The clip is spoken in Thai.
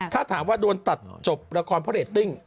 ถ้าถามว่าโดนตัดจบละครพระเรตติ้ง